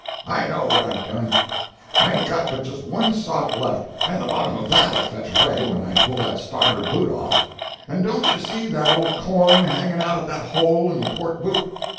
"I know what I've done. I ain't got but just one sock left, and the bottom of that'll fetch away when I pull that starboard boot off; and don't you see that old corn hanging out at that hole in the port boot?